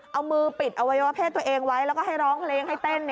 เอามือปิดอวัยวะเพศตัวเองไว้แล้วก็ให้ร้องเพลงให้เต้น